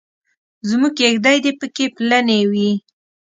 زموږ کېږدۍ دې پکې پلنې وي.